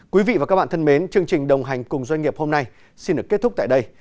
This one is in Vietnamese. quý vị và các bạn thân mến chương trình đồng hành cùng doanh nghiệp hôm nay xin được kết thúc tại đây